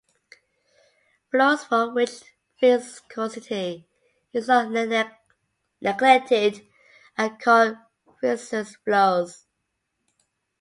Flows for which viscosity is not neglected are called viscous flows.